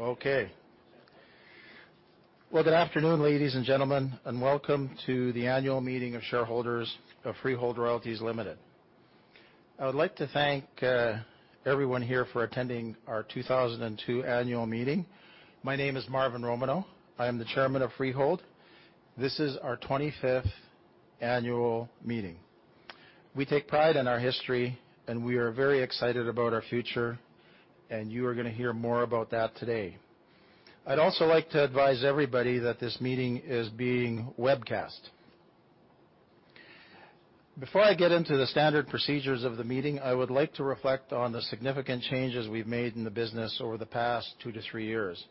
Okay. Well, good afternoon, ladies and gentlemen, and welcome to the annual meeting of shareholders of Freehold Royalties Ltd. I would like to thank everyone here for attending our 2022 annual meeting. My name is Marvin Romanow. I am the Chairman of Freehold. This is our 25th annual meeting. We take pride in our history, and we are very excited about our future, and you are going to hear more about that today. I'd also like to advise everybody that this meeting is being webcast. Before I get into the standard procedures of the meeting, I would like to reflect on the significant changes we've made in the business over the past two to three years.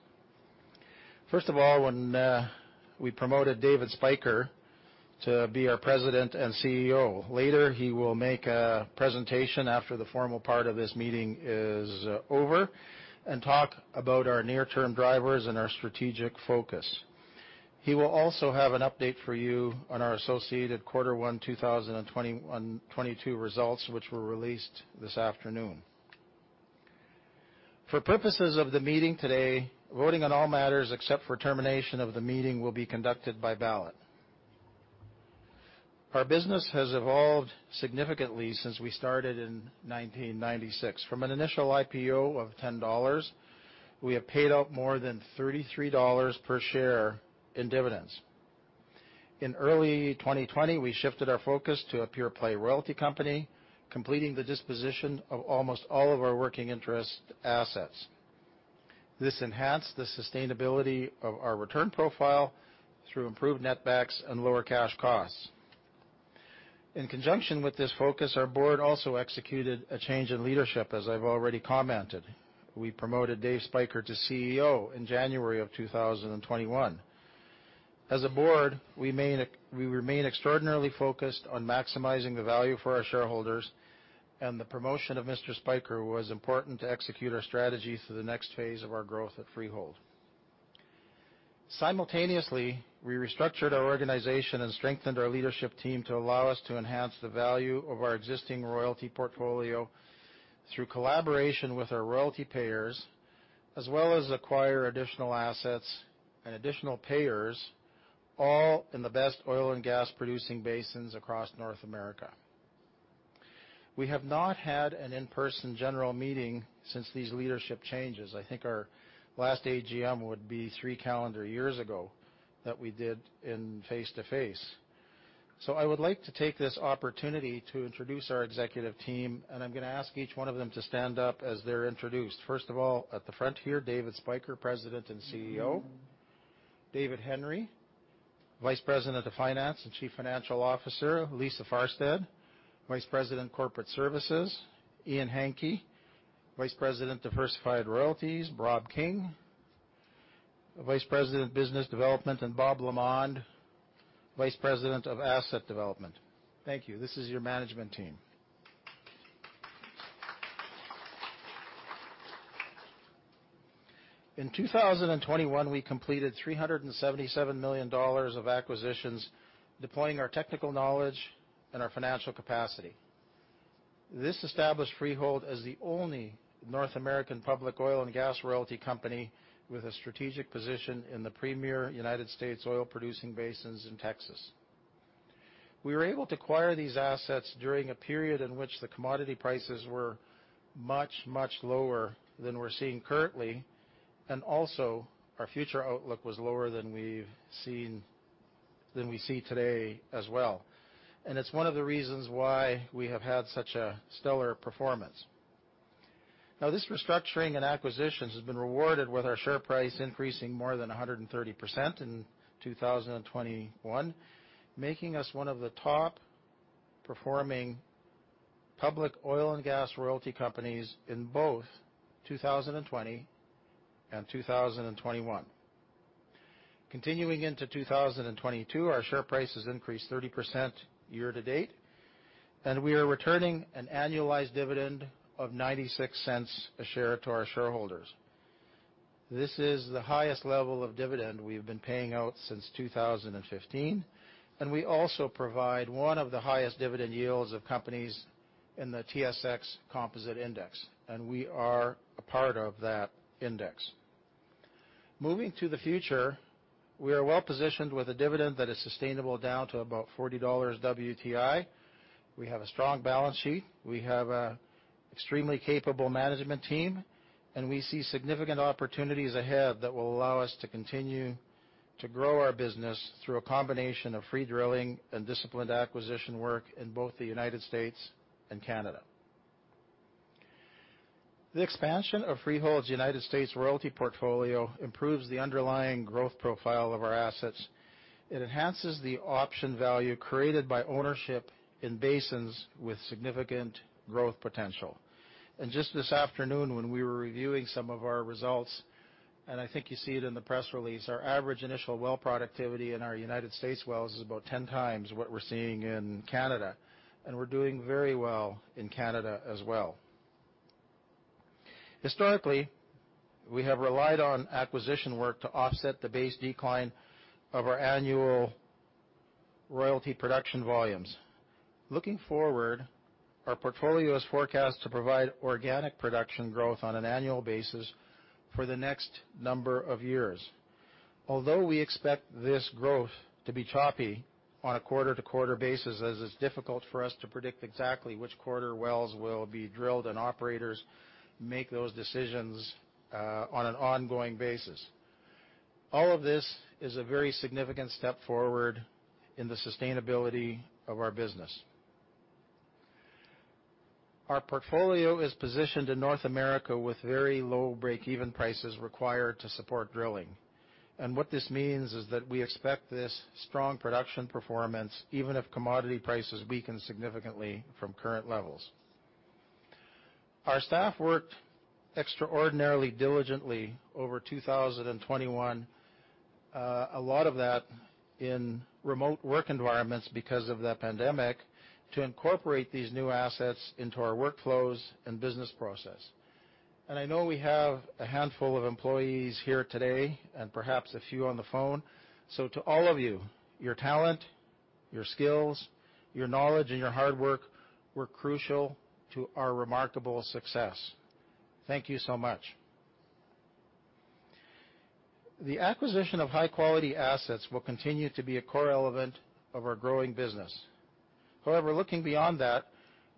First of all, when we promoted David Spyker to be our President and CEO. Later, he will make a presentation after the formal part of this meeting is over and talk about our near-term drivers and our strategic focus. He will also have an update for you on our associated Q1 2022 results, which were released this afternoon. For purposes of the meeting today, voting on all matters except for termination of the meeting will be conducted by ballot. Our business has evolved significantly since we started in 1996. From an initial IPO of 10 dollars, we have paid out more than 33 dollars per share in dividends. In early 2020, we shifted our focus to a pure-play royalty company, completing the disposition of almost all of our working interest assets. This enhanced the sustainability of our return profile through improved netbacks and lower cash costs. In conjunction with this focus, our board also executed a change in leadership, as I've already commented. We promoted David Spyker to CEO in January of 2021. As a board, we remain extraordinarily focused on maximizing the value for our shareholders, and the promotion of Mr. Spyker was important to execute our strategy for the next phase of our growth at Freehold. Simultaneously, we restructured our organization and strengthened our leadership team to allow us to enhance the value of our existing royalty portfolio through collaboration with our royalty payers, as well as acquire additional assets and additional payers, all in the best oil and gas-producing basins across North America. We have not had an in-person general meeting since these leadership changes. I think our last AGM would be three calendar years ago that we did face-to-face. I would like to take this opportunity to introduce our executive team, and I'm going to ask each one of them to stand up as they're introduced. First of all, at the front here, David Spyker, President and CEO, David Hendry, Vice President of Finance and Chief Financial Officer, Lisa Farstad, Vice President, Corporate Services, Ian Hantke, Vice President, Diversified Royalties, Rob King, Vice President of Business Development, and Bob Lamond, Vice President of Asset Development. Thank you. This is your management team. In 2021, we completed $377 million of acquisitions, deploying our technical knowledge and our financial capacity. This established Freehold as the only North American public oil and gas royalty company with a strategic position in the premier United States oil-producing basins in Texas. We were able to acquire these assets during a period in which the commodity prices were much, much lower than we're seeing currently, and also our future outlook was lower than we see today as well. It's one of the reasons why we have had such a stellar performance. Now, this restructuring and acquisitions has been rewarded with our share price increasing more than 130% in 2021, making us one of the top-performing public oil and gas royalty companies in both 2020 and 2021. Continuing into 2022, our share price has increased 30% year to date, and we are returning an annualized dividend of 0.96 a share to our shareholders. This is the highest level of dividend we've been paying out since 2015, and we also provide one of the highest dividend yields of companies in the TSX Composite Index, and we are a part of that index. Moving to the future, we are well-positioned with a dividend that is sustainable down to about $40 WTI. We have a strong balance sheet. We have an extremely capable management team, and we see significant opportunities ahead that will allow us to continue to grow our business through a combination of free drilling and disciplined acquisition work in both the United States and Canada. The expansion of Freehold's United States royalty portfolio improves the underlying growth profile of our assets. It enhances the option value created by ownership in basins with significant growth potential. Just this afternoon when we were reviewing some of our results, and I think you see it in the press release, our average initial well productivity in our United States wells is about 10x what we're seeing in Canada, and we're doing very well in Canada as well. Historically, we have relied on acquisition work to offset the base decline of our annual royalty production volumes. Looking forward, our portfolio is forecast to provide organic production growth on an annual basis for the next number of years. Although we expect this growth to be choppy on a quarter-to-quarter basis, as it's difficult for us to predict exactly which quarter wells will be drilled, and operators make those decisions on an ongoing basis. All of this is a very significant step forward in the sustainability of our business. Our portfolio is positioned in North America with very low breakeven prices required to support drilling. What this means is that we expect this strong production performance, even if commodity prices weaken significantly from current levels. Our staff worked extraordinarily diligently over 2021, a lot of that in remote work environments because of the pandemic, to incorporate these new assets into our workflows and business process. I know we have a handful of employees here today, and perhaps a few on the phone. To all of you, your talent, your skills, your knowledge, and your hard work were crucial to our remarkable success. Thank you so much. The acquisition of high-quality assets will continue to be a core element of our growing business. However, looking beyond that,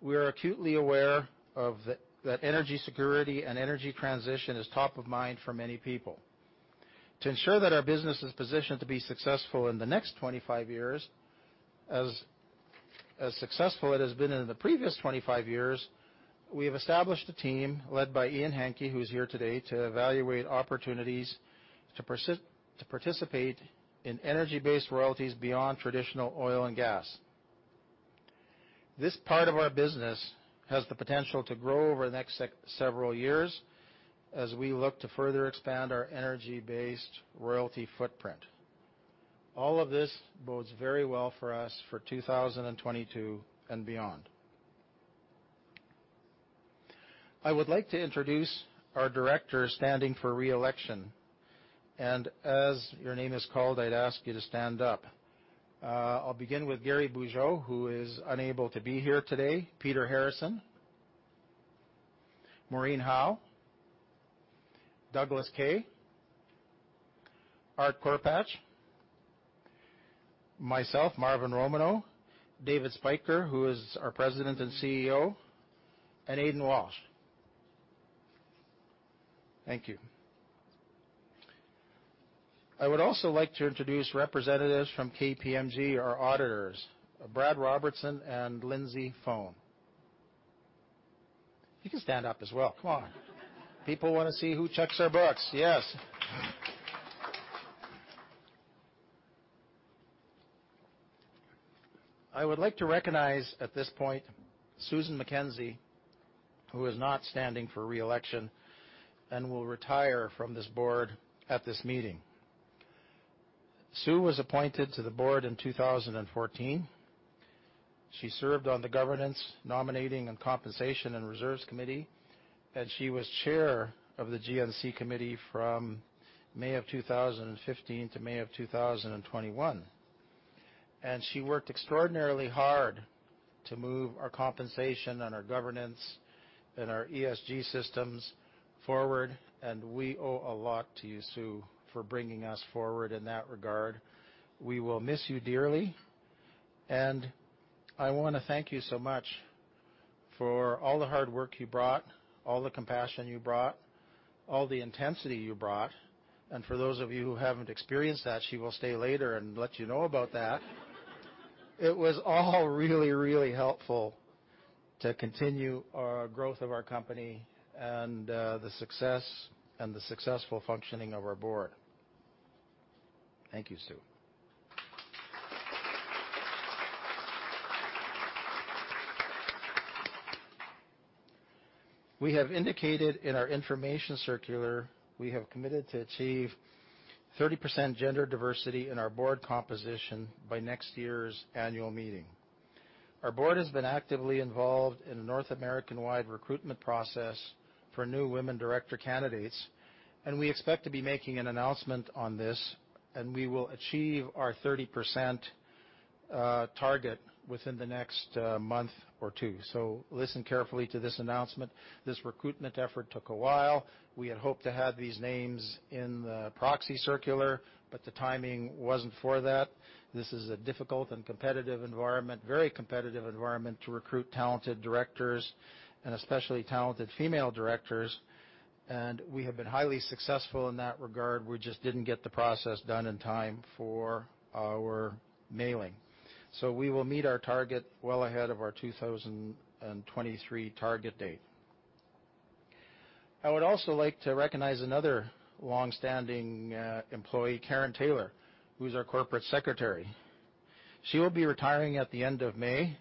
we are acutely aware that energy security and energy transition is top of mind for many people. To ensure that our business is positioned to be successful in the next 25 years, as successful as it has been in the previous 25 years, we have established a team led by Ian Hantke, who is here today, to evaluate opportunities to participate in energy-based royalties beyond traditional oil and gas. This part of our business has the potential to grow over the next several years, as we look to further expand our energy-based royalty footprint. All of this bodes very well for us for 2022 and beyond. I would like to introduce our directors standing for re-election. As your name is called, I'd ask you to stand up. I'll begin with Gary Bugeaud, who is unable to be here today. Peter Harrison, Maureen Howe, Douglas Kay, Art Korpach, myself, Marvin Romanow, David Spyker, who is our President and CEO, and Aidan Walsh. Thank you. I would also like to introduce representatives from KPMG, our auditors, Brad Robertson and Lindsay Foan. You can stand up as well. Come on. People want to see who checks our books. Yes. I would like to recognize at this point, Susan MacKenzie, who is not standing for re-election and will retire from this board at this meeting. Sue was appointed to the board in 2014. She served on the Governance, Nominating, Compensation, and Reserves Committee, and she was chair of the GNC committee from May 2015 to May 2021. She worked extraordinarily hard to move our compensation and our governance, and our ESG systems forward, and we owe a lot to you, Sue, for bringing us forward in that regard. We will miss you dearly, and I want to thank you so much for all the hard work you brought, all the compassion you brought, all the intensity you brought. For those of you who haven't experienced that, she will stay later and let you know about that. It was all really, really helpful to continue our growth of our company and the successful functioning of our board. Thank you, Sue. We have indicated in our information circular, we have committed to achieve 30% gender diversity in our board composition by next year's annual meeting. Our board has been actively involved in a North American-wide recruitment process for new women director candidates, and we expect to be making an announcement on this, and we will achieve our 30% target within the next month or two. Listen carefully to this announcement. This recruitment effort took a while. We had hoped to have these names in the proxy circular, but the timing wasn't for that. This is a difficult and competitive environment, very competitive environment, to recruit talented directors and especially talented female directors. We have been highly successful in that regard. We just didn't get the process done in time for our mailing. We will meet our target well ahead of our 2023 target date. I would also like to recognize another long-standing employee, Karen Taylor, who's our Corporate Secretary. She will be retiring at the end of May,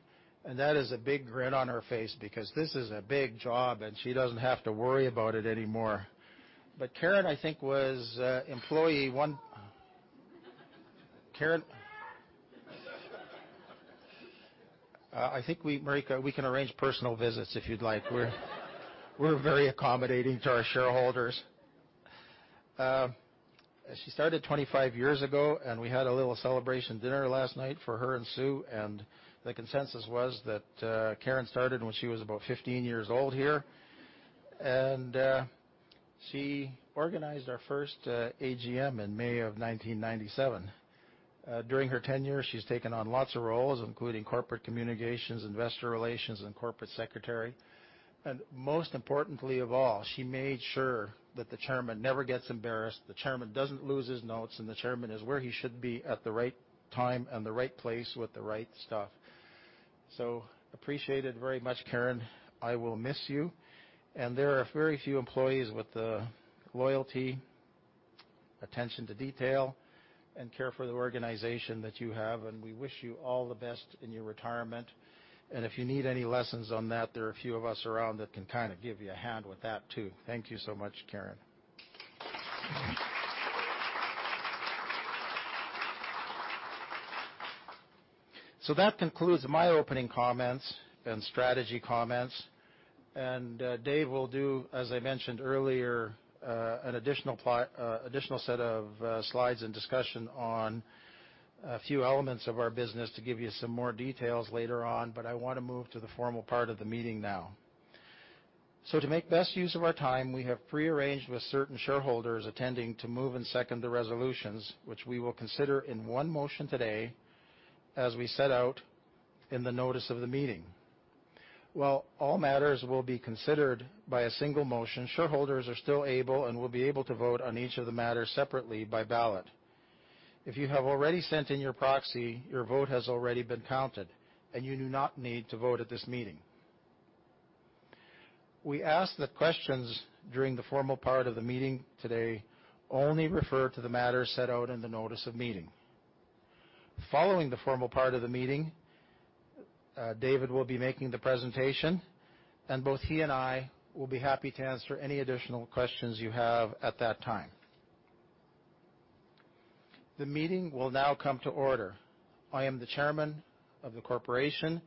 and that is a big grin on her face because this is a big job, and she doesn't have to worry about it anymore. Karen, I think, was employee one. Marijke, we can arrange personal visits if you'd like. We're very accommodating to our shareholders. She started 25 years ago, and we had a little celebration dinner last night for her and Sue, and the consensus was that Karen started when she was about 15 years old here. She organized our first AGM in May of 1997. During her tenure, she's taken on lots of roles, including corporate communications, investor relations, and corporate secretary. Most importantly of all, she made sure that the chairman never gets embarrassed, the chairman doesn't lose his notes, and the chairman is where he should be at the right time and the right place with the right stuff. Appreciated very much, Karen. I will miss you. There are very few employees with the loyalty, attention to detail, and care for the organization that you have, and we wish you all the best in your retirement. If you need any lessons on that, there are a few of us around that can kind of give you a hand with that too. Thank you so much, Karen. That concludes my opening comments and strategy comments. Dave will do, as I mentioned earlier, an additional set of slides and discussion on a few elements of our business to give you some more details later on, but I want to move to the formal part of the meeting now. To make the best use of our time, we have pre-arranged with certain shareholders attending to move and second the resolutions, which we will consider in one motion today as we set out in the notice of the meeting. While all matters will be considered by a single motion, shareholders are still able and will be able to vote on each of the matters separately by ballot. If you have already sent in your proxy, your vote has already been counted, and you do not need to vote at this meeting. We ask that questions during the formal part of the meeting today only refer to the matter set out in the notice of meeting. Following the formal part of the meeting, David will be making the presentation, and both he and I will be happy to answer any additional questions you have at that time. The meeting will now come to order. I am the chairman of the corporation,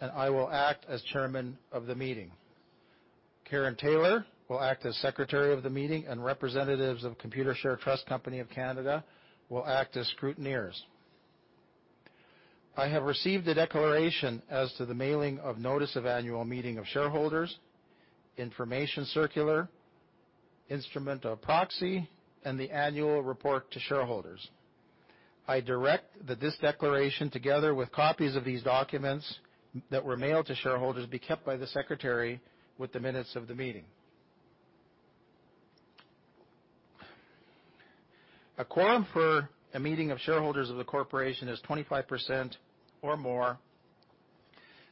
and I will act as chairman of the meeting. Karen Taylor will act as secretary of the meeting, and representatives of Computershare Trust Company of Canada will act as scrutineers. I have received a declaration as to the mailing of notice of annual meeting of shareholders, information circular, instrument of proxy, and the annual report to shareholders. I direct that this declaration, together with copies of these documents that were mailed to shareholders, be kept by the secretary with the minutes of the meeting. A quorum for a meeting of shareholders of the corporation is 25% or more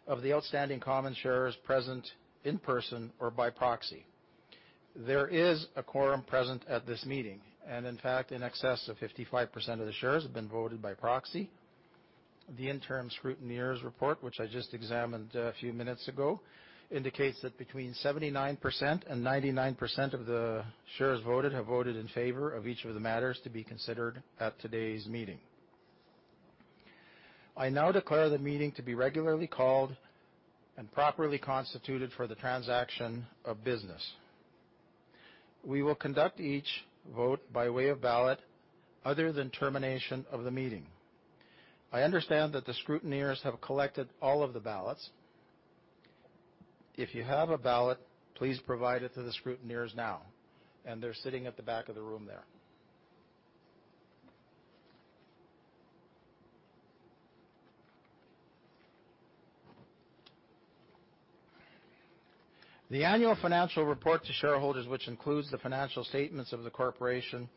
of the outstanding common shares present in person or by proxy. There is a quorum present at this meeting, and in fact, in excess of 55% of the shares have been voted by proxy. The interim scrutineers' report, which I just examined a few minutes ago, indicates that between 79% and 99% of the shares voted have voted in favor of each of the matters to be considered at today's meeting. I now declare the meeting to be regularly called and properly constituted for the transaction of business. We will conduct each vote by way of ballot other than termination of the meeting. I understand that the scrutineers have collected all of the ballots. If you have a ballot, please provide it to the scrutineers now. They're sitting at the back of the room there. The annual financial report to shareholders, which includes the financial statements of the corporation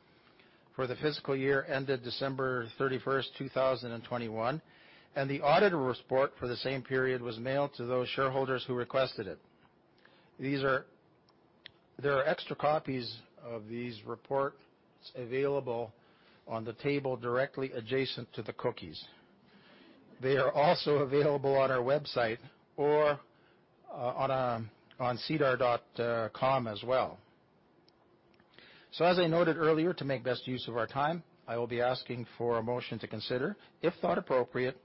for the fiscal year ended December 31st, 2021, and the auditor's report for the same period, was mailed to those shareholders who requested it. There are extra copies of these reports available on the table directly adjacent to the cookies. They are also available on our website or on sedar.com as well. As I noted earlier, to make the best use of our time, I will be asking for a motion to consider, if thought appropriate,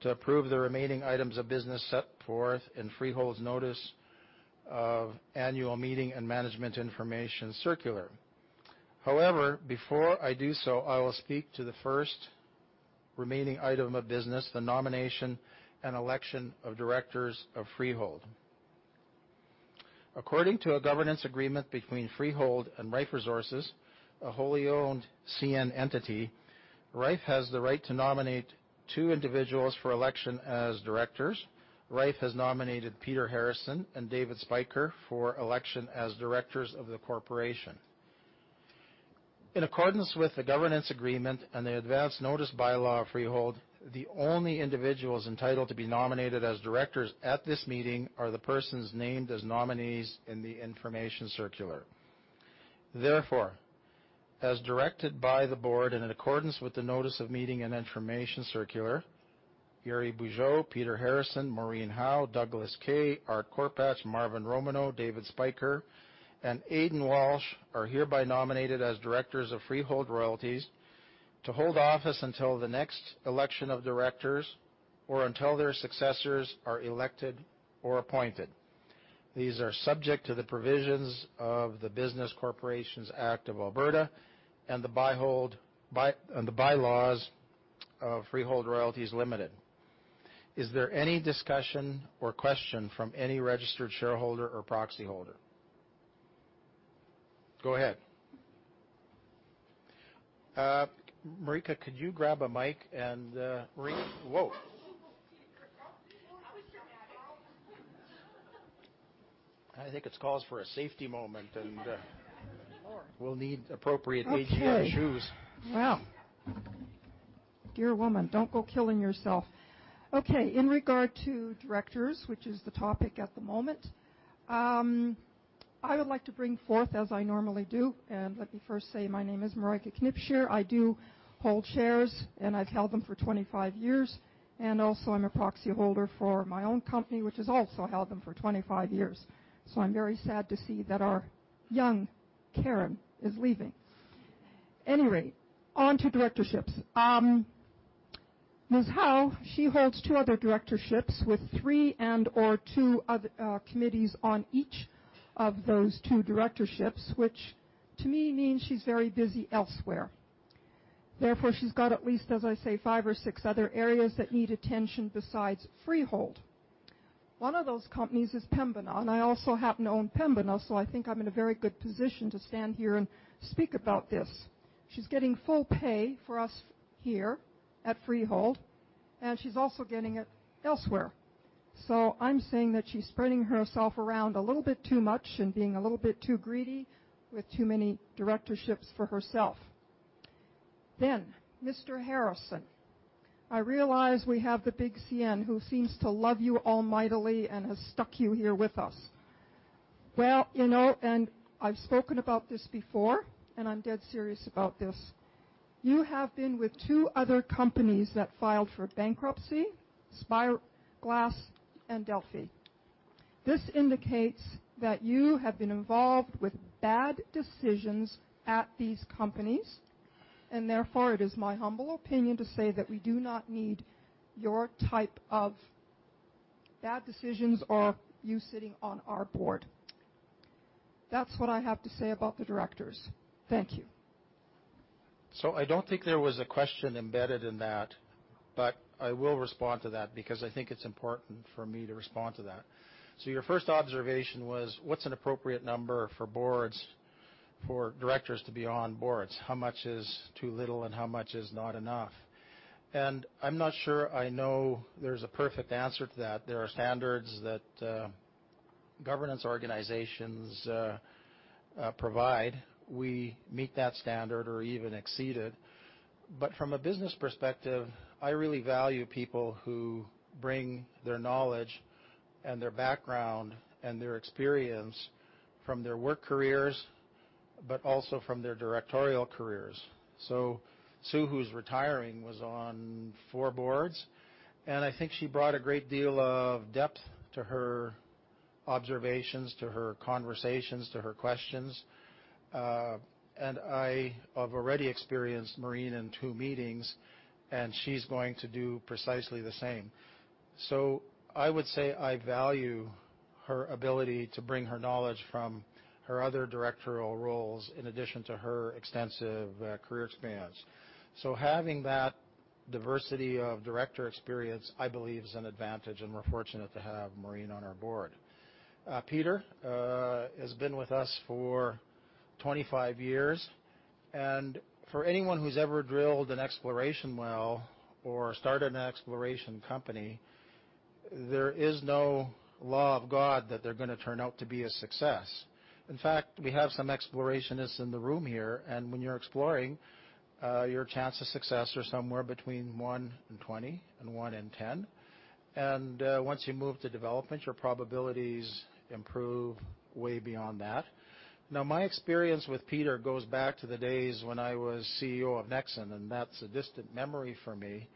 to approve the remaining items of business set forth in Freehold's notice of annual meeting and management information circular. However, before I do so, I will speak to the first remaining item of business, the nomination and election of directors of Freehold. According to a governance agreement between Freehold and Rife Resources, a wholly owned CN entity, Rife has the right to nominate two individuals for election as directors. Rife has nominated Peter Harrison and David Spyker for election as directors of the corporation. In accordance with the governance agreement and the advance notice bylaw of Freehold, the only individuals entitled to be nominated as directors at this meeting are the persons named as nominees in the information circular. Therefore, as directed by the board and in accordance with the notice of meeting and information circular, Gary Bugeaud, Peter Harrison, Maureen Howe, Douglas Kay, Art Korpach, Marvin Romanow, David Spyker, and Aidan Walsh are hereby nominated as directors of Freehold Royalties. To hold office until the next election of directors or until their successors are elected or appointed. These are subject to the provisions of the Business Corporations Act of Alberta and the bylaws of Freehold Royalties Ltd. Is there any discussion or question from any registered shareholder or proxy holder? Go ahead. Marijke, could you grab a mic and Maureen? Whoa. I think it's a cause for a safety moment, and we'll need appropriate H&S shoes. Well. Dear woman, don't go killing yourself. In regard to directors, which is the topic at the moment, I would like to bring forth, as I normally do, and let me first say my name is Marijke Knipscheer. I do hold shares, and I've held them for 25 years. Also, I'm a proxy holder for my own company, which has also held them for 25 years. I'm very sad to see that our young Karen is leaving. Anyway, on to directorships. Ms. Howe, she holds two other directorships with three and/or two committees on each of those two directorships, which to me means she's very busy elsewhere. Therefore, she's got at least, as I say, five or six other areas that need attention besides Freehold. One of those companies is Pembina, and I also happen to own Pembina, so I think I'm in a very good position to stand here and speak about this. She's getting full pay for us here at Freehold, and she's also getting it elsewhere. I'm saying that she's spreading herself around a little bit too much and being a little bit too greedy with too many directorships for herself. Mr. Harrison. I realize we have the big CN, who seems to love you almightily and has stuck you here with us. Well, I've spoken about this before, and I'm dead serious about this. You have been with two other companies that filed for bankruptcy, Spyglass and Delphi. This indicates that you have been involved with bad decisions at these companies, and therefore, it is my humble opinion to say that we do not need your type of bad decisions or you sitting on our board. That's what I have to say about the directors. Thank you. I don't think there was a question embedded in that, but I will respond to that because I think it's important for me to respond to that. Your first observation was, what's an appropriate number for directors to be on boards? How much is too little, and how much is not enough? I'm not sure I know there's a perfect answer to that. There are standards that governance organizations provide. We meet that standard or even exceed it. But from a business perspective, I really value people who bring their knowledge and their background and their experience from their work careers, but also from their directorial careers. Sue, who's retiring, was on four boards, and I think she brought a great deal of depth to her observations, to her conversations, to her questions. I have already experienced Maureen in two meetings, and she's going to do precisely the same. I would say I value her ability to bring her knowledge from her other directorial roles in addition to her extensive career experience. Having that diversity of director experience, I believe, is an advantage, and we're fortunate to have Maureen on our board. Peter has been with us for 25 years, and for anyone who's ever drilled an exploration well or started an exploration company, there is no law of God that they're going to turn out to be a success. In fact, we have some explorationists in the room here, and when you're exploring, your chance of success are somewhere between one in 20 and one in 10. Once you move to development, your probabilities improve way beyond that. My experience with Peter goes back to the days when I was CEO of Nexen, and that's a distant memory for me.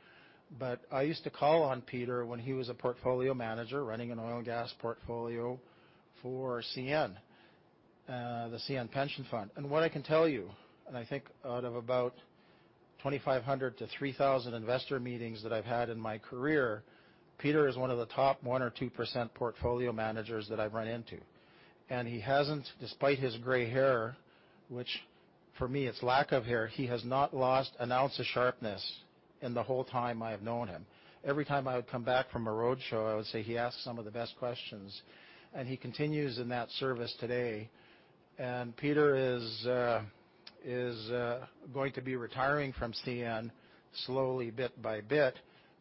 I used to call on Peter when he was a portfolio manager running an oil and gas portfolio for CN, the CN Pension Fund. What I can tell you, and I think out of about 2,500-3,000 investor meetings that I've had in my career, Peter is one of the top 1% or 2% portfolio managers that I've run into. He hasn't, despite his gray hair, which for me, it's lack of hair, he has not lost an ounce of sharpness in the whole time I have known him. Every time I would come back from a roadshow, I would say he asked some of the best questions, and he continues in that service today. Peter is going to be retiring from CN slowly, bit by bit,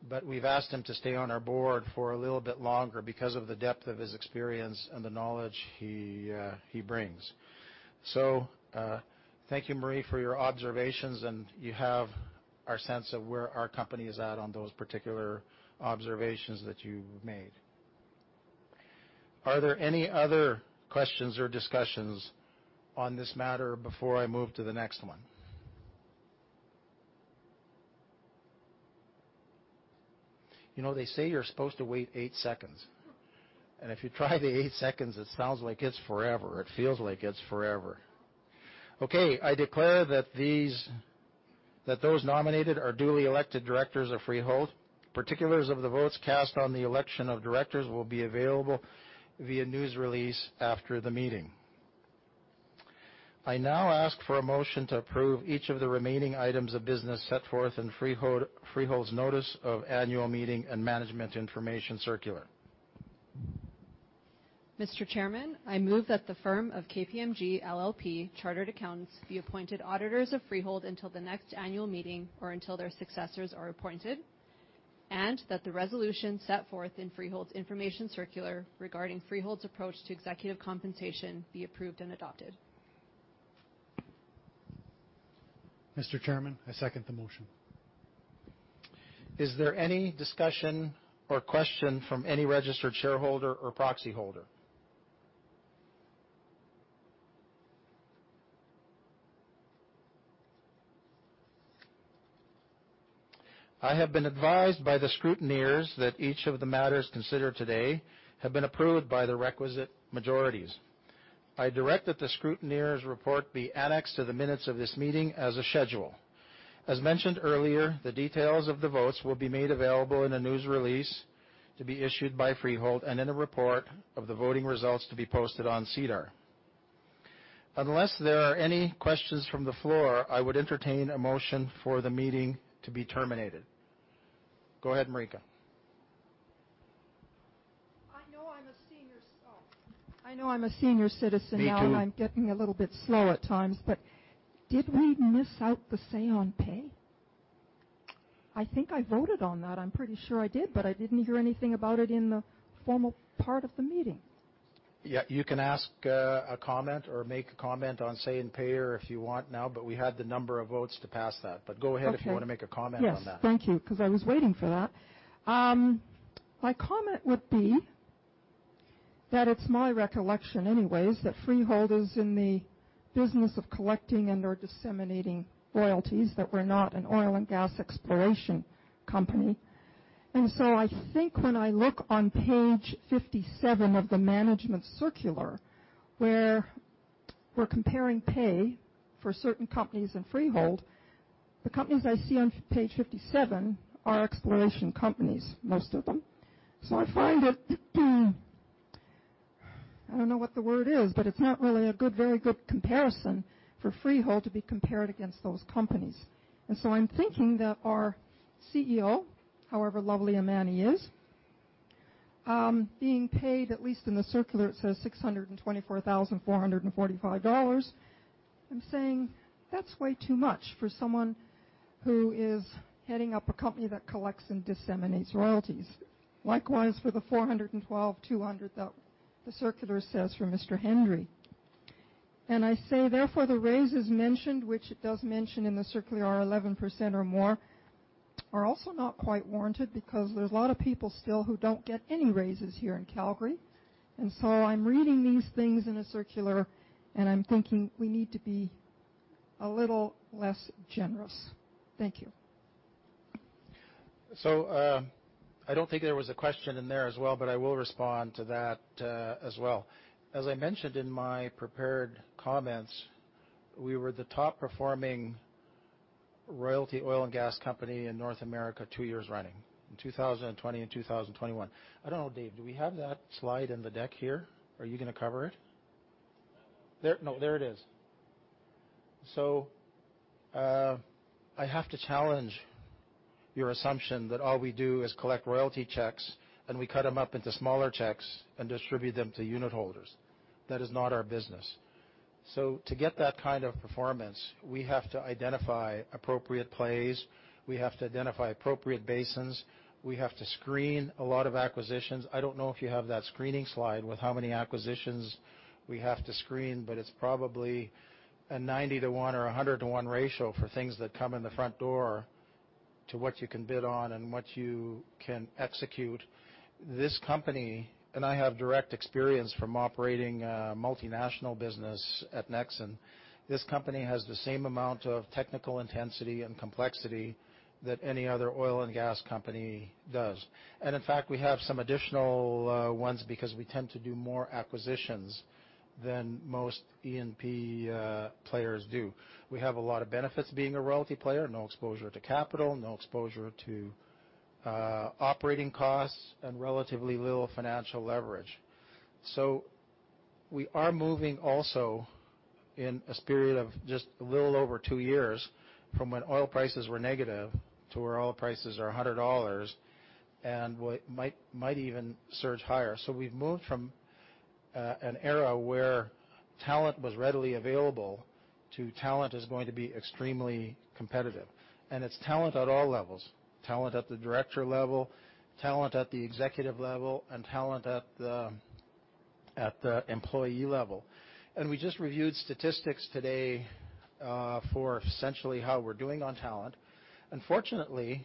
but we've asked him to stay on our board for a little bit longer because of the depth of his experience and the knowledge he brings. Thank you, Mari, for your observations, and you have our sense of where our company is at on those particular observations that you've made. Are there any other questions or discussions on this matter before I move to the next one? They say you're supposed to wait eight seconds, and if you try the eight seconds, it sounds like it's forever. It feels like it's forever. Okay, I declare that those nominated are duly elected directors of Freehold. Particulars of the votes cast on the election of directors will be available via news release after the meeting. I now ask for a motion to approve each of the remaining items of business set forth in Freehold's notice of annual meeting and management information circular. Mr. Chairman, I move that the firm of KPMG LLP Chartered Accountants be appointed auditors of Freehold until the next annual meeting or until their successors are appointed, and that the resolution set forth in Freehold's information circular regarding Freehold's approach to executive compensation be approved and adopted. Mr. Chairman, I second the motion. Is there any discussion or question from any registered shareholder or proxy holder? I have been advised by the scrutineers that each of the matters considered today have been approved by the requisite majorities. I direct that the scrutineers' report be annexed to the minutes of this meeting as a schedule. As mentioned earlier, the details of the votes will be made available in a news release to be issued by Freehold and in a report of the voting results to be posted on SEDAR. Unless there are any questions from the floor, I would entertain a motion for the meeting to be terminated. Go ahead, Marijke. I know I'm a senior citizen now. Me too. I'm getting a little bit slow at times. Did we miss out the say on pay? I think I voted on that. I'm pretty sure I did, but I didn't hear anything about it in the formal part of the meeting. Yeah, you can ask a comment or make a comment on say-on-pay if you want now, but we had the number of votes to pass that. Go ahead. Okay If you want to make a comment on that. Yes. Thank you, because I was waiting for that. My comment would be that it's my recollection, anyways, that Freehold is in the business of collecting and/or disseminating royalties, that we're not an oil and gas exploration company. I think when I look on page 57 of the management circular, where we're comparing pay for certain companies and Freehold, the companies I see on page 57 are exploration companies, most of them. I find it, I don't know what the word is, but it's not really a very good comparison for Freehold to be compared against those companies. I'm thinking that our CEO, however lovely a man he is, being paid at least in the circular, it says 624,445 dollars. I'm saying that's way too much for someone who is heading up a company that collects and disseminates royalties. Likewise, for the 412,200 the circular says for Mr. Hendry. I say therefore, the raises mentioned, which it does mention in the circular, are 11% or more, are also not quite warranted because there's a lot of people still who don't get any raises here in Calgary. I'm reading these things in a circular, and I'm thinking we need to be a little less generous. Thank you. I don't think there was a question in there as well, but I will respond to that as well. As I mentioned in my prepared comments, we were the top-performing royalty oil and gas company in North America two years running, in 2020 and 2021. I don't know, Dave, do we have that slide in the deck here? Are you going to cover it? No, there it is. I have to challenge your assumption that all we do is collect royalty checks, and we cut them up into smaller checks and distribute them to unit holders. That is not our business. To get that kind of performance, we have to identify appropriate plays. We have to identify appropriate basins. We have to screen a lot of acquisitions. I don't know if you have that screening slide with how many acquisitions we have to screen, but it's probably a 90 to one or 100 to one ratio for things that come in the front door to what you can bid on and what you can execute. This company, and I have direct experience from operating a multinational business at Nexen, this company has the same amount of technical intensity and complexity that any other oil and gas company does. In fact, we have some additional ones because we tend to do more acquisitions than most E&P players do. We have a lot of benefits being a royalty player, no exposure to capital, no exposure to operating costs, and relatively little financial leverage. We are moving also in a spirit of just a little over two years from when oil prices were negative to where oil prices are $100 and might even surge higher. We've moved from an era where talent was readily available to talent is going to be extremely competitive. It's talent at all levels, talent at the director level, talent at the executive level, and talent at the employee level. We just reviewed statistics today for essentially how we're doing on talent. Fortunately,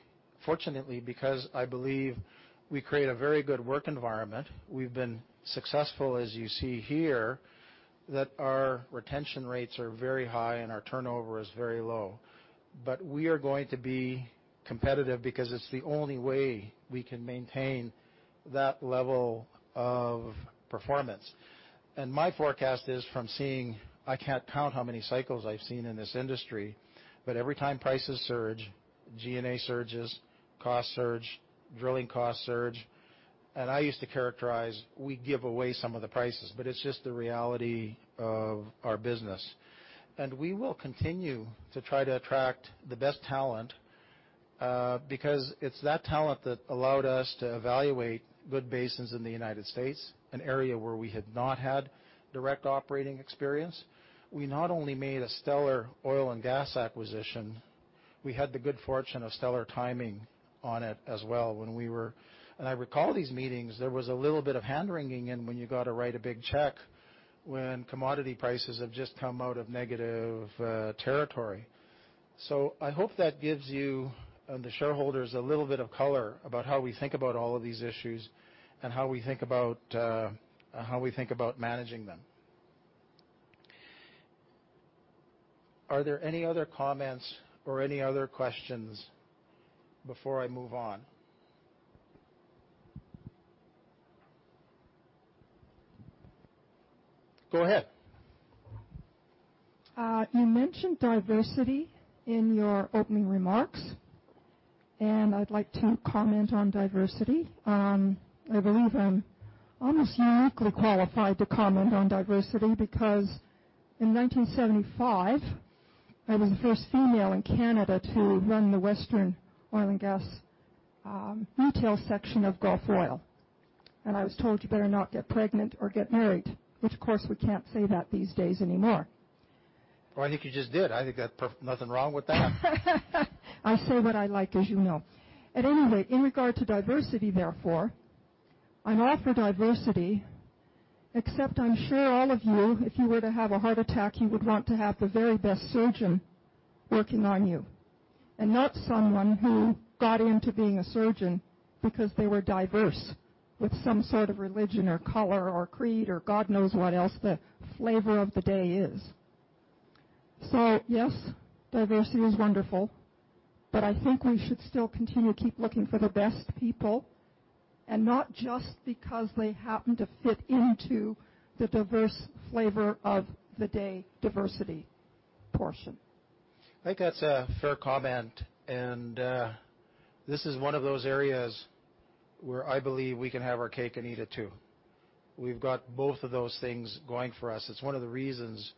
because I believe we create a very good work environment, we've been successful, as you see here, that our retention rates are very high and our turnover is very low. We are going to be competitive because it's the only way we can maintain that level of performance. My forecast is from seeing, I can't count how many cycles I've seen in this industry, but every time prices surge, G&A surges, costs surge, drilling costs surge, and I used to characterize, we give away some of the prices, but it's just the reality of our business. We will continue to try to attract the best talent, because it's that talent that allowed us to evaluate good basins in the United States, an area where we had not had direct operating experience. We not only made a stellar oil and gas acquisition, we had the good fortune of stellar timing on it as well. I recall these meetings, there was a little bit of handwringing, and when you got to write a big check when commodity prices have just come out of negative territory. I hope that gives you and the shareholders a little bit of color about how we think about all of these issues and how we think about managing them. Are there any other comments or any other questions before I move on? Go ahead. You mentioned diversity in your opening remarks, and I'd like to comment on diversity. I believe I'm almost uniquely qualified to comment on diversity because in 1975, I was the first female in Canada to run the Western oil and gas retail section of Gulf Oil, and I was told, "You better not get pregnant or get married." Which of course, we can't say that these days anymore. Well, I think you just did. I think nothing wrong with that. I say what I like, as you know. At any rate, in regard to diversity, therefore, I'm all for diversity, except I'm sure all of you, if you were to have a heart attack, you would want to have the very best surgeon working on you, and not someone who got into being a surgeon because they were diverse with some sort of religion or color or creed or God knows what else the flavor of the day is. Yes, diversity is wonderful, but I think we should still continue to keep looking for the best people, and not just because they happen to fit into the diverse flavor of the day diversity portion. I think that's a fair comment, and this is one of those areas where I believe we can have our cake and eat it too. We've got both of those things going for us. It's one of the reasons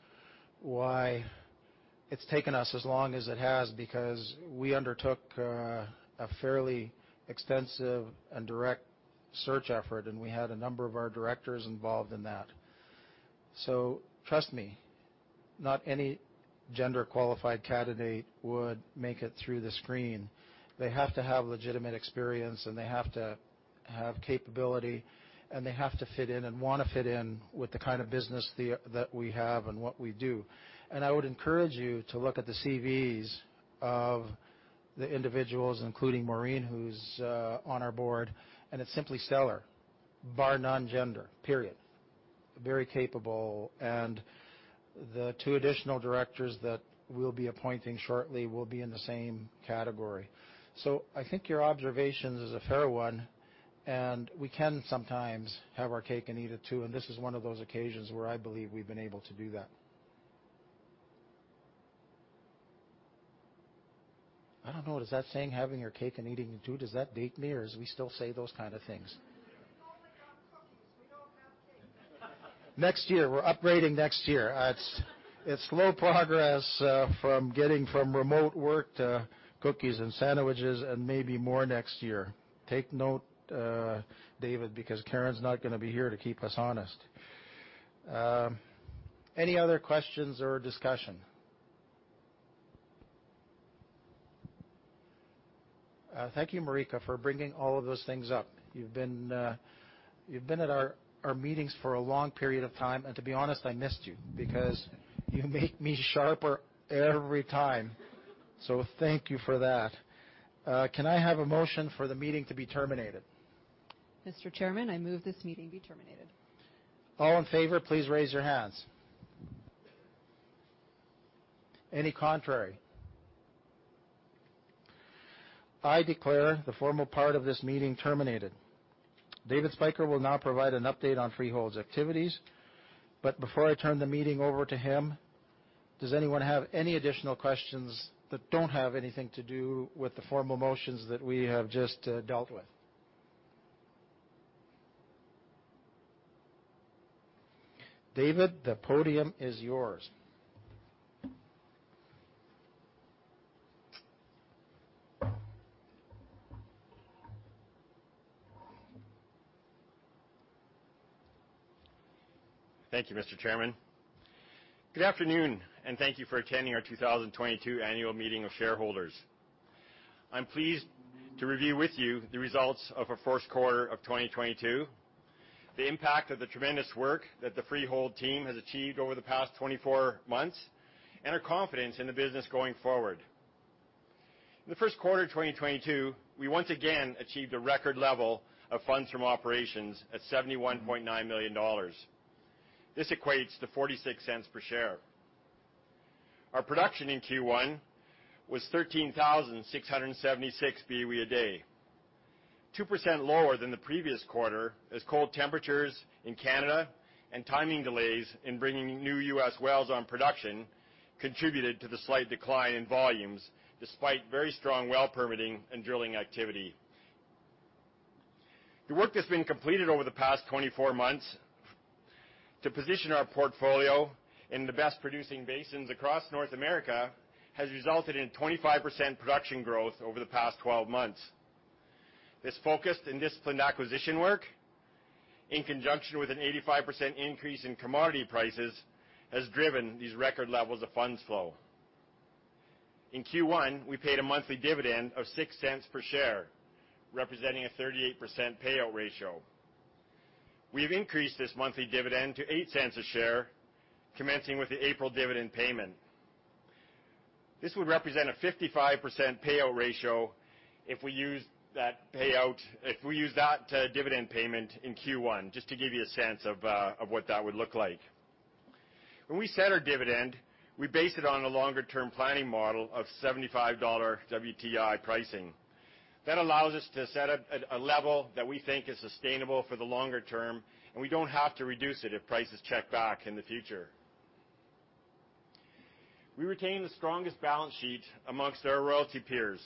why it's taken us as long as it has because we undertook a fairly extensive and direct search effort, and we had a number of our directors involved in that. Trust me, not any gender-qualified candidate would make it through the screen. They have to have legitimate experience, and they have to have capability, and they have to fit in and want to fit in with the kind of business that we have and what we do. I would encourage you to look at the CVs of the individuals, including Maureen, who's on our board, and it's simply stellar, bar none gender, period. Very capable. The two additional directors that we'll be appointing shortly will be in the same category. I think your observation is a fair one, and we can sometimes have our cake and eat it too, and this is one of those occasions where I believe we've been able to do that. I don't know. Does that saying, having your cake and eating it too, does that date me, or we still say those kind of things? Next year. We're upgrading next year. It's slow progress from getting from remote work to cookies and sandwiches and maybe more next year. Take note, David, because Karen's not going to be here to keep us honest. Any other questions or discussion? Thank you, Marijke, for bringing all of those things up. You've been at our meetings for a long period of time, and to be honest, I missed you because you make me sharper every time. So, thank you for that. Can I have a motion for the meeting to be terminated? Mr. Chairman, I move this meeting be terminated. All in favor, please raise your hands. Any contrary? I declare the formal part of this meeting terminated. David Spyker will now provide an update on Freehold's activities. Before I turn the meeting over to him, does anyone have any additional questions that don't have anything to do with the formal motions that we have just dealt with? David, the podium is yours. Thank you, Mr. Chairman. Good afternoon, and thank you for attending our 2022 annual meeting of shareholders. I'm pleased to review with you the results of our first quarter of 2022. The impact of the tremendous work that the Freehold team has achieved over the past 24 months, and our confidence in the business going forward. In the first quarter of 2022, we once again achieved a record level of funds from operations at $71.9 million. This equates to $0.46 per share. Our production in Q1 was 13,676 boe/d, 2% lower than the previous quarter, as cold temperatures in Canada and timing delays in bringing new U.S. wells on production contributed to the slight decline in volumes, despite very strong well permitting and drilling activity. The work that's been completed over the past 24 months to position our portfolio in the best-producing basins across North America has resulted in 25% production growth over the past 12 months. This focused and disciplined acquisition work, in conjunction with an 85% increase in commodity prices, has driven these record levels of funds flow. In Q1, we paid a monthly dividend of $0.06 per share, representing a 38% payout ratio. We've increased this monthly dividend to $0.08 per share, commencing with the April dividend payment. This would represent a 55% payout ratio if we use that dividend payment in Q1, just to give you a sense of what that would look like. When we set our dividend, we base it on a longer-term planning model of $75 WTI pricing. That allows us to set a level that we think is sustainable for the longer term, and we don't have to reduce it if prices check back in the future. We retain the strongest balance sheet amongst our royalty peers,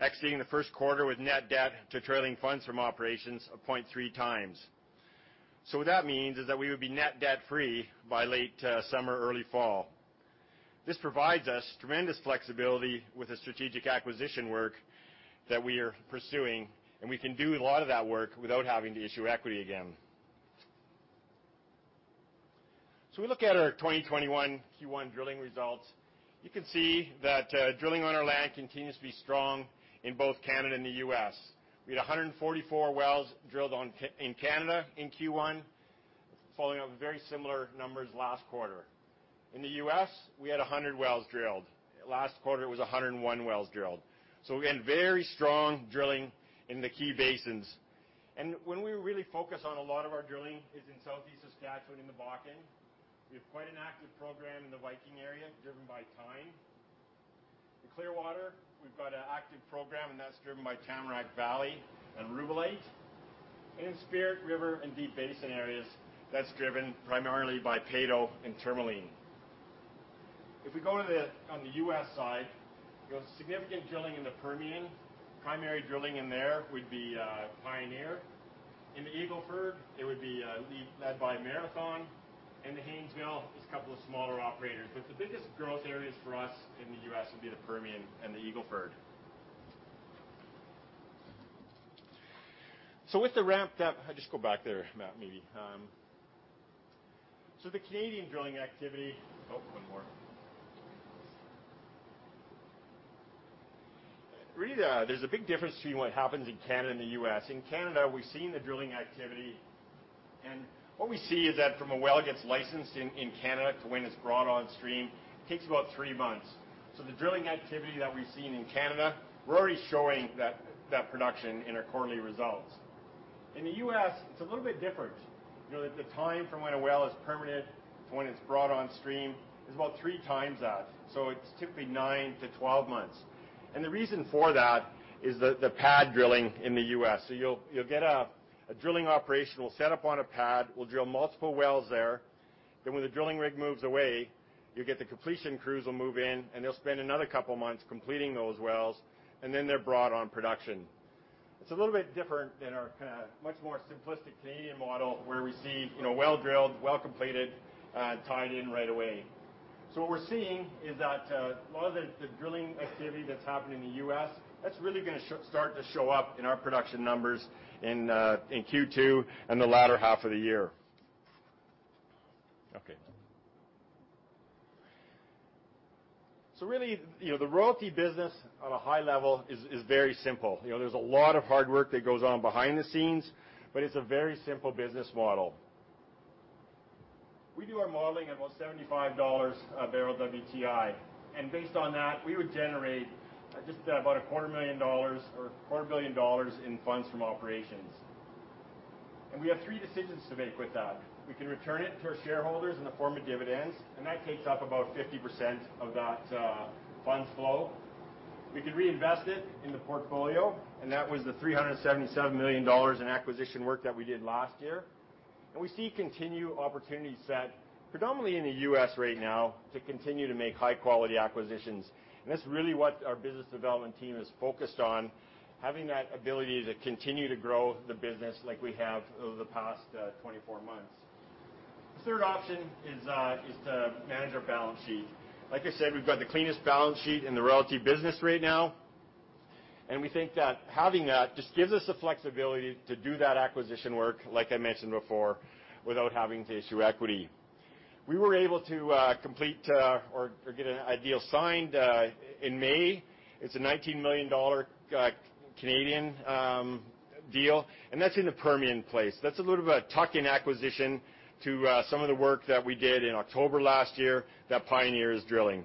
exiting the first quarter with net debt to trailing funds from operations of 0.3x. What that means is that we would be net debt-free by late summer, early fall. This provides us tremendous flexibility with the strategic acquisition work that we are pursuing, and we can do a lot of that work without having to issue equity again. We look at our 2021 Q1 drilling results. You can see that drilling on our land continues to be strong in both Canada and the U.S. We had 144 wells drilled in Canada in Q1, following up very similar numbers last quarter. In the U.S., we had 100 wells drilled. Last quarter, it was 101 wells drilled. Again, very strong drilling in the key basins. When we really focus on a lot of our drilling is in Southeast Saskatchewan in the Bakken. We have quite an active program in the Viking area, driven by Teine. In Clearwater, we've got an active program, and that's driven by Tamarack Valley and Rubellite. In Spirit River and Deep Basin areas, that's driven primarily by Peyto and Tourmaline. If we go on the U.S. side, you have significant drilling in the Permian. Primary drilling in there would be Pioneer. In the Eagle Ford, it would be led by Marathon. In the Haynesville, there's a couple of smaller operators. The biggest growth areas for us in the U.S. would be the Permian and the Eagle Ford. With the ramp-up. Just go back there, Matt, maybe. The Canadian drilling activity. Oh, one more. Really, there's a big difference between what happens in Canada and the U.S. In Canada, we've seen the drilling activity. What we see is that from a well gets licensed in Canada to when it's brought on stream, takes about three months. The drilling activity that we've seen in Canada, we're already showing that production in our quarterly results. In the U.S., it's a little bit different. The time from when a well is permitted to when it's brought on stream is about three times that. It's typically nine to 12 months. The reason for that is the pad drilling in the U.S. You'll get a drilling operation, we'll set up on a pad, we'll drill multiple wells there. When the drilling rig moves away, you get the completion crews will move in, and they'll spend another couple of months completing those wells, and then they're brought on production. It's a little bit different than our much more simplistic Canadian model, where we see well drilled, well completed, tied in right away. What we're seeing is that a lot of the drilling activity that's happening in the U.S., that's really going to start to show up in our production numbers in Q2 and the latter half of the year. Okay. Really, the royalty business at a high level is very simple. There's a lot of hard work that goes on behind the scenes, but it's a very simple business model. We do our modeling at about $75 a bbl WTI. Based on that, we would generate just about $250,000 or $250 million in funds from operations. We have three decisions to make with that. We can return it to our shareholders in the form of dividends, and that takes up about 50% of that funds flow. We could reinvest it in the portfolio, and that was the $377 million in acquisition work that we did last year. We see continued opportunity set predominantly in the U.S. right now to continue to make high-quality acquisitions. That's really what our business development team is focused on, having that ability to continue to grow the business like we have over the past 24 months. The third option is to manage our balance sheet. Like I said, we've got the cleanest balance sheet in the royalty business right now. We think that having that just gives us the flexibility to do that acquisition work, like I mentioned before, without having to issue equity. We were able to complete or get a deal signed in May. It's a 19 million Canadian dollars deal, and that's in the Permian Basin. That's a little bit of a tuck-in acquisition to some of the work that we did in October last year that Pioneer is drilling.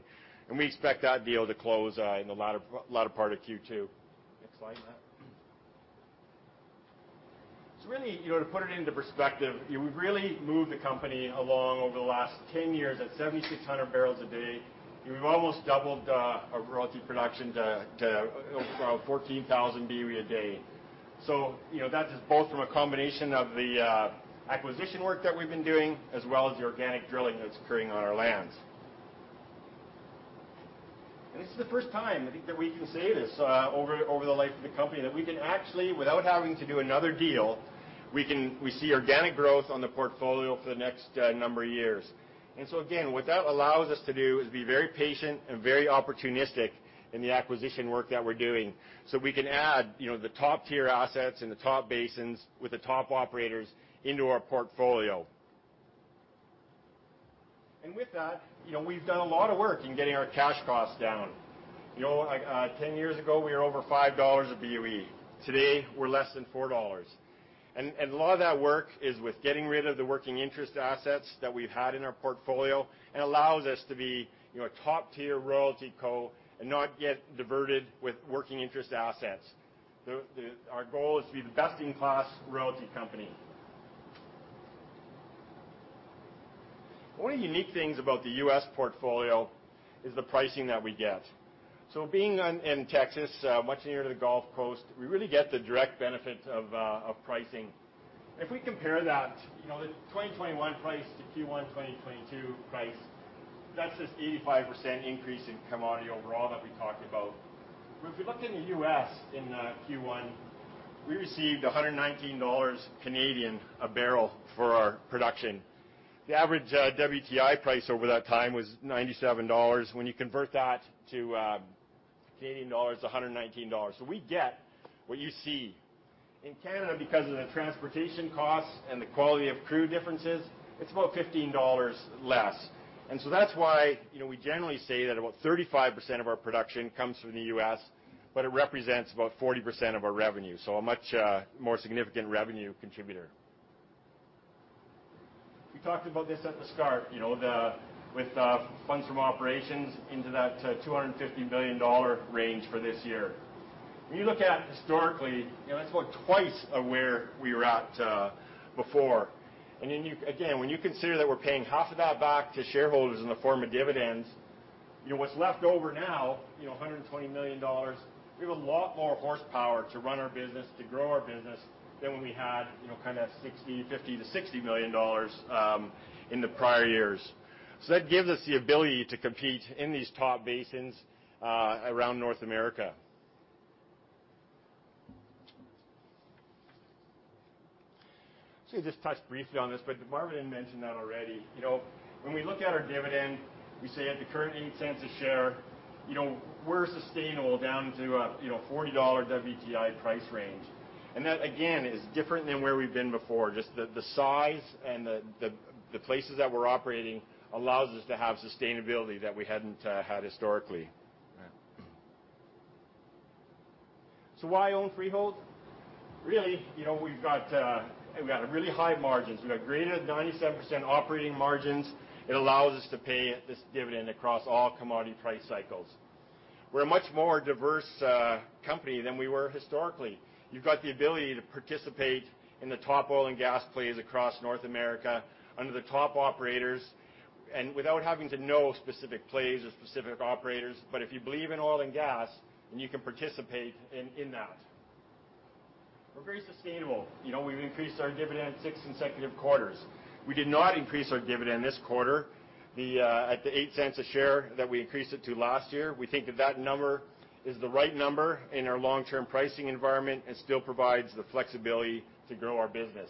We expect that deal to close in the latter part of Q2. Next slide, Matt. Really, to put it into perspective, we've really moved the company along over the last 10 years. At 7,600 bbl a day, we've almost doubled our royalty production to over 14,000 boe/d. That is both from a combination of the acquisition work that we've been doing as well as the organic drilling that's occurring on our lands. This is the first time, I think, that we can say this over the life of the company, that we can actually, without having to do another deal, we see organic growth on the portfolio for the next number of years. Again, what that allows us to do is be very patient and very opportunistic in the acquisition work that we're doing, so we can add the top-tier assets in the top basins with the top operators into our portfolio. With that, we've done a lot of work in getting our cash costs down. 10 years ago, we were over $5/boe. Today, we're less than $4. A lot of that work is with getting rid of the working interest assets that we've had in our portfolio and allows us to be a top-tier royalty co and not get diverted with working interest assets. Our goal is to be the best-in-class royalty company. One of the unique things about the U.S. portfolio is the pricing that we get. Being in Texas, much nearer to the Gulf Coast, we really get the direct benefit of pricing. If we compare that, the 2021 price to Q1 2022 price, that's just 85% increase in commodity overall that we talked about. If you look in the U.S. in Q1, we received 119 Canadian dollars a bbl for our production. The average WTI price over that time was $97. When you convert that to Canadian dollars, 119 dollars. We get what you see. In Canada, because of the transportation costs and the quality of crude differences, it's about $15 less. That's why we generally say that about 35% of our production comes from the U.S., but it represents about 40% of our revenue. A much more significant revenue contributor. We talked about this at the start, with the funds from operations into that $250 million range for this year. When you look at historically, that's about twice of where we were at before. Then, again, when you consider that we're paying half of that back to shareholders in the form of dividends, what's left over now, $120 million, we have a lot more horsepower to run our business, to grow our business than when we had 50 million-60 million dollars in the prior years. That gives us the ability to compete in these top basins around North America. We'll just touch briefly on this, but Marvin had mentioned that already. When we look at our dividend, we say at the current 0.08 a share, we're sustainable down to a $40 WTI price range. That, again, is different than where we've been before. Just the size and the places that we're operating allows us to have sustainability that we hadn't had historically. Why own Freehold? Really, we've got really high margins. We've got greater than 97% operating margins. It allows us to pay this dividend across all commodity price cycles. We're a much more diverse company than we were historically. You've got the ability to participate in the top oil and gas plays across North America under the top operators, and without having to know specific plays or specific operators. But if you believe in oil and gas, then you can participate in that. We're very sustainable. We've increased our dividend six consecutive quarters. We did not increase our dividend this quarter at the 0.08 a share that we increased it to last year. We think that number is the right number in our long-term pricing environment and still provides the flexibility to grow our business.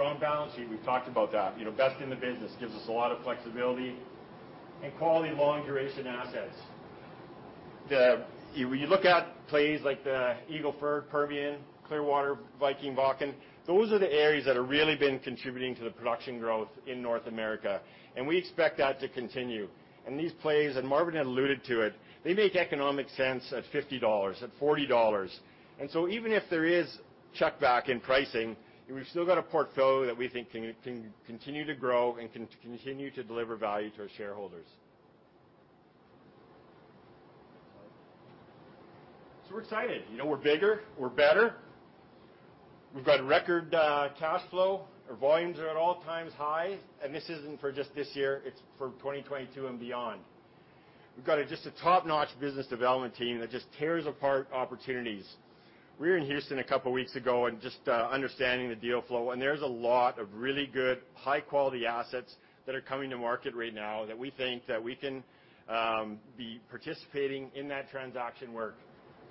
Strong balance sheet, we've talked about that. Best in the business. Gives us a lot of flexibility. Quality long-duration assets. When you look at plays like the Eagle Ford, Permian, Clearwater, Viking, Vulcan, those are the areas that have really been contributing to the production growth in North America, and we expect that to continue. These plays, and Marvin had alluded to it, they make economic sense at $50, at $40. Even if there is setback in pricing, we've still got a portfolio that we think can continue to grow and can continue to deliver value to our shareholders. We're excited. We're bigger. We're better. We've got record cash flow. Our volumes are at all-time high, and this isn't for just this year, it's for 2022 and beyond. We've got just a top-notch business development team that just tears apart opportunities. We were in Houston a couple of weeks ago and just understanding the deal flow, and there's a lot of really good high-quality assets that are coming to market right now that we think that we can be participating in that transaction work.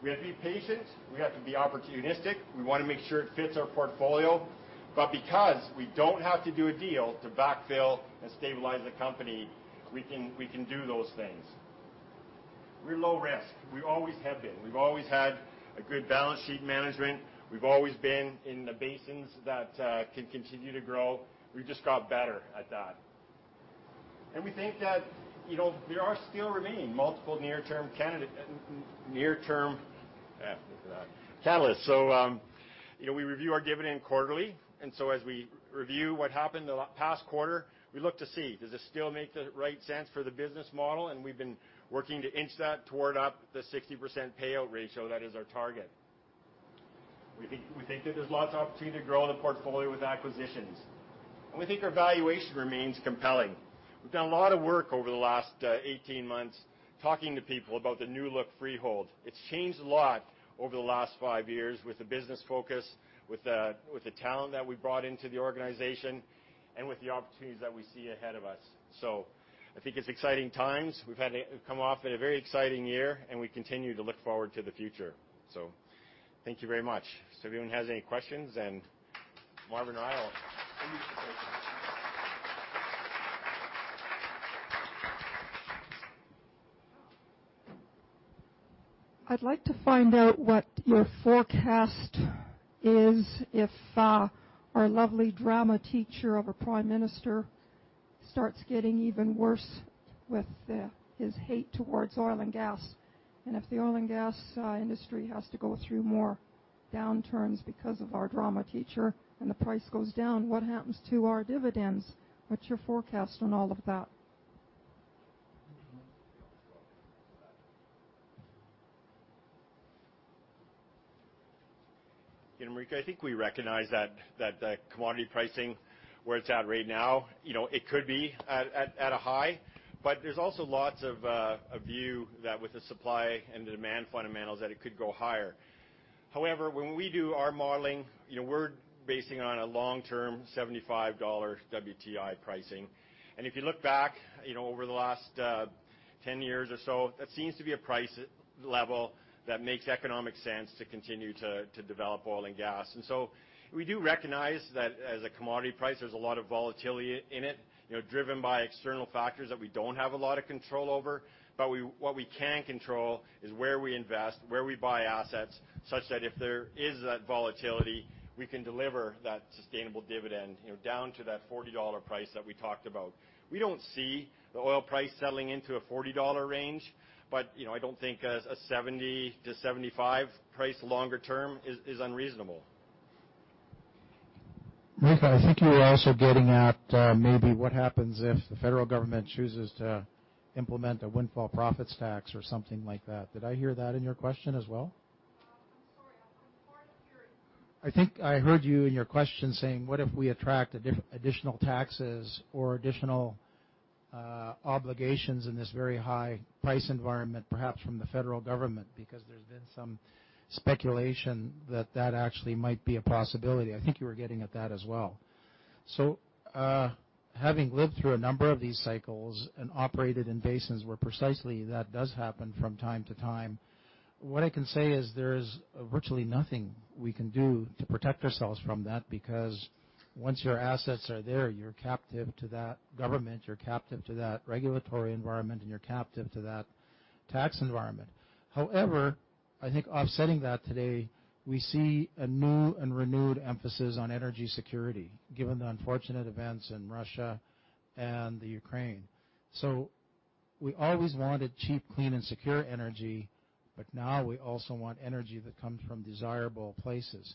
We have to be patient. We have to be opportunistic. We want to make sure it fits our portfolio. Because we don't have to do a deal to backfill and stabilize the company, we can do those things. We're low risk. We always have been. We've always had a good balance sheet management. We've always been in the basins that can continue to grow. We've just got better at that. We think that there are still remaining multiple near-term catalysts. We review our dividend quarterly, and so as we review what happened the past quarter, we look to see, does this still make the right sense for the business model? We've been working to inch that toward up the 60% payout ratio that is our target. We think that there's lots of opportunity to grow the portfolio with acquisitions. We think our valuation remains compelling. We've done a lot of work over the last 18 months talking to people about the new look Freehold. It's changed a lot over the last five years with the business focus, with the talent that we brought into the organization and with the opportunities that we see ahead of us. I think it's exciting times. We've come off of a very exciting year, and we continue to look forward to the future. Thank you very much. If anyone has any questions, and Marvin or I will I'd like to find out what your forecast is, if our lovely drama teacher of a prime minister starts getting even worse with his hate towards oil and gas. If the oil and gas industry has to go through more downturns because of our drama teacher and the price goes down, what happens to our dividends? What's your forecast on all of that? Marijke, I think we recognize that the commodity pricing, where it's at right now, it could be at a high. There's also lots of views that with the supply and demand fundamentals, that it could go higher. However, when we do our modeling, we're basing on a long-term $75 WTI pricing. If you look back over the last 10 years or so, that seems to be a price level that makes economic sense to continue to develop oil and gas. We do recognize that as a commodity price, there's a lot of volatility in it, driven by external factors that we don't have a lot of control over. What we can control is where we invest, where we buy assets, such that if there is that volatility, we can deliver that sustainable dividend, down to that $40 price that we talked about. We don't see the oil price settling into a $40 range, but I don't think a $70-$75 price longer term is unreasonable. Marijke, I think you were also getting at maybe what happens if the federal government chooses to implement a windfall profits tax or something like that. Did I hear that in your question as well? I'm sorry. I'm hard of hearing. I think I heard you in your question saying, what if we attract additional taxes or additional obligations in this very high price environment, perhaps from the federal government, because there's been some speculation that that actually might be a possibility. I think you were getting at that as well. Having lived through a number of these cycles and operated in basins where precisely that does happen from time to time, what I can say is there is virtually nothing we can do to protect ourselves from that, because once your assets are there, you're captive to that government, you're captive to that regulatory environment, and you're captive to that tax environment. However, I think offsetting that today, we see a new and renewed emphasis on energy security, given the unfortunate events in Russia and Ukraine. We always wanted cheap, clean and secure energy, but now we also want energy that comes from desirable places.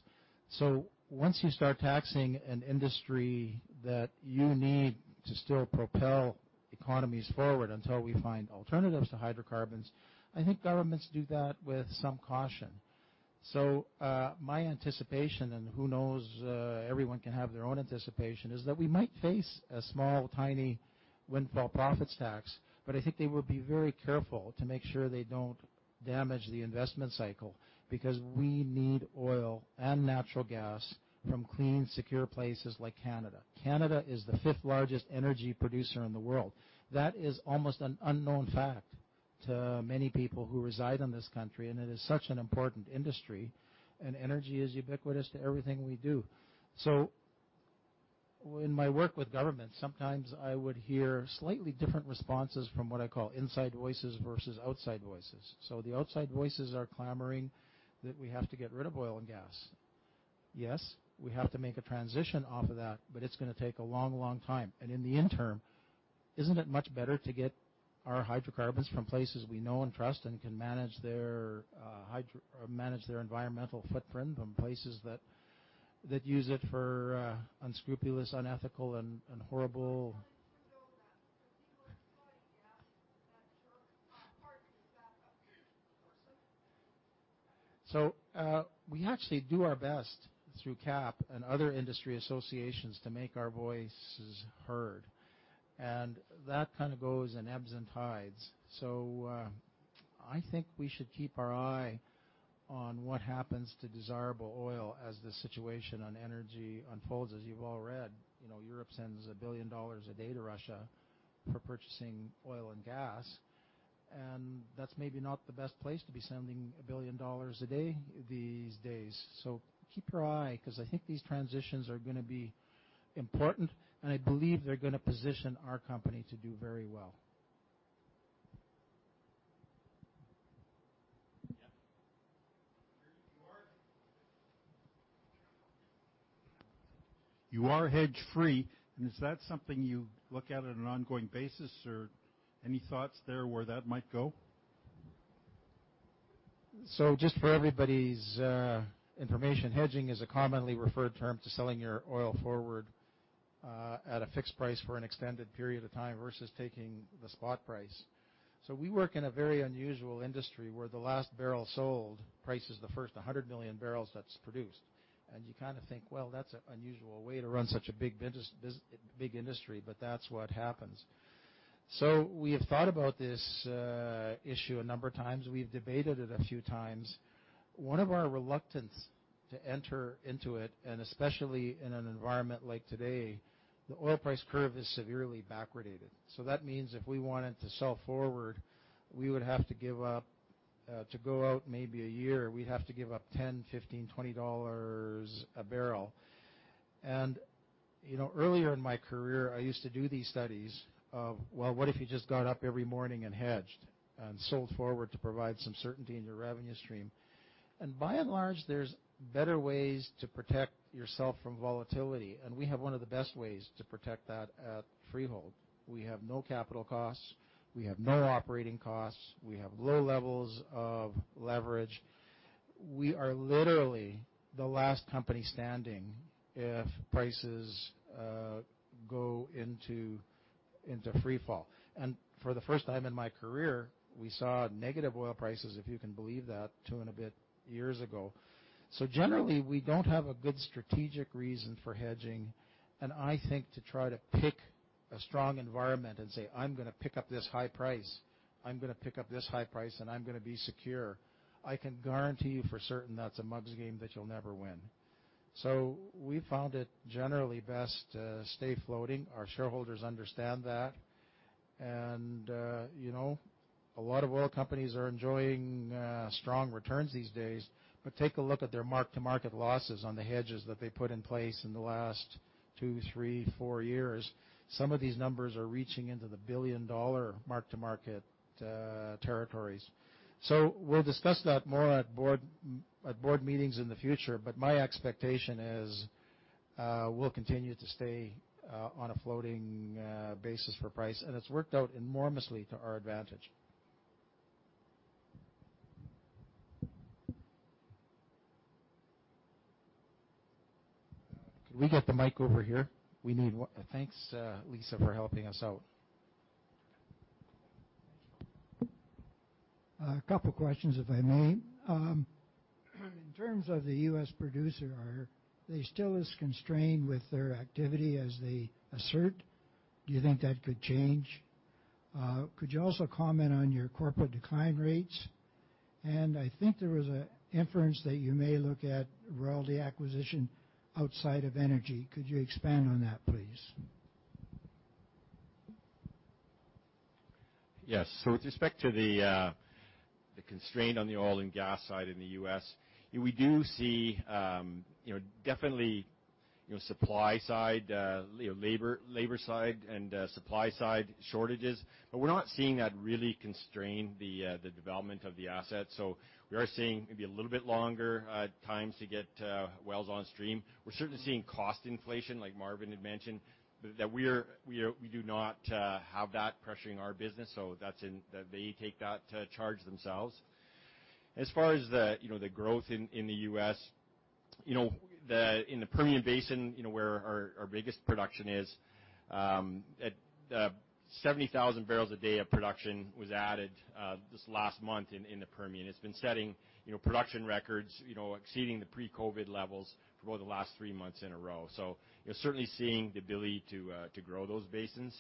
Once you start taxing an industry that you need to still propel economies forward until we find alternatives to hydrocarbons, I think governments do that with some caution. My anticipation, and who knows, everyone can have their own anticipation, is that we might face a small, tiny windfall profits tax. I think they will be very careful to make sure they don't damage the investment cycle, because we need oil and natural gas from clean, secure places like Canada. Canada is the fifth-largest energy producer in the world. That is almost an unknown fact to many people who reside in this country, and it is such an important industry, and energy is ubiquitous to everything we do. In my work with government, sometimes I would hear slightly different responses from what I call inside voices versus outside voices. The outside voices are clamoring that we have to get rid of oil and gas. Yes, we have to make a transition off of that, but it's going to take a long, long time. In the interim, isn't it much better to get our hydrocarbons from places we know and trust and can manage their environmental footprint than places that use it for unscrupulous, unethical, and horrible? We actually do our best through CAPP and other industry associations to make our voices heard, and that kind of goes in ebbs and tides. I think we should keep our eye on what happens to desirable oil as the situation on energy unfolds. As you've all read, Europe sends $1 billion a day to Russia for purchasing oil and gas, and that's maybe not the best place to be sending $1 billion a day these days. Keep your eye, because I think these transitions are going to be important, and I believe they're going to position our company to do very well. Yeah. Here you are. You are hedge-free, and is that something you look at on an ongoing basis, or any thoughts there where that might go? Just for everybody's information, hedging is a commonly referred term to selling your oil forward at a fixed price for an extended period of time versus taking the spot price. We work in a very unusual industry, where the last barrel sold prices the first 100 million barrels that's produced. You kind of think, "Well, that's an unusual way to run such a big industry," but that's what happens. We have thought about this issue a number of times. We've debated it a few times. One of our reluctance to enter into it, and especially in an environment like today, the oil price curve is severely backwardated. That means if we wanted to sell forward, to go out maybe a year, we'd have to give up $10, $15, $20/bbl. Earlier in my career, I used to do these studies of, well, what if you just got up every morning and hedged and sold forward to provide some certainty in your revenue stream? By and large, there's better ways to protect yourself from volatility, and we have one of the best ways to protect that at Freehold. We have no capital costs. We have no operating costs. We have low levels of leverage. We are literally the last company standing if prices go into free fall. For the first time in my career, we saw negative oil prices, if you can believe that, two and a bit years ago. Generally, we don't have a good strategic reason for hedging. I think to try to pick a strong environment and say, "I'm going to pick up this high price. I'm going to pick up this high price, and I'm going to be secure." I can guarantee you for certain that's a mug's game that you'll never win. We've found it generally best to stay floating. Our shareholders understand that. A lot of oil companies are enjoying strong returns these days. Take a look at their mark-to-market losses on the hedges that they put in place in the last two, three, four years. Some of these numbers are reaching into the billion-dollar mark-to-market territories. We'll discuss that more at board meetings in the future. My expectation is we'll continue to stay on a floating basis for price, and it's worked out enormously to our advantage. Can we get the mic over here? Thanks, Lisa, for helping us out. A couple questions, if I may. In terms of the U.S. producer, are they still as constrained with their activity as they assert? Do you think that could change? Could you also comment on your corporate decline rates? I think there was an inference that you may look at royalty acquisition outside of energy. Could you expand on that, please? Yes. With respect to the constraint on the oil and gas side in the U.S., we do see definitely labor side and supply side shortages. We're not seeing that really constrain the development of the asset. We are seeing maybe a little bit longer times to get wells on stream. We're certainly seeing cost inflation, like Marvin had mentioned, that we do not have that pressuring our business, so they take that charge themselves. As far as the growth in the U.S., in the Permian Basin, where our biggest production is, 70,000 bbl a day of production was added just last month in the Permian. It's been setting production records exceeding the pre-COVID levels for the last three months in a row. You're certainly seeing the ability to grow those basins.